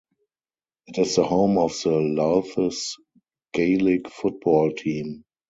It is the home of the Louth's Gaelic football team.